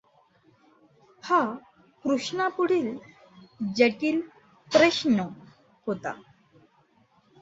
हा कृष्णापुढील जटिल प्रष्न होता.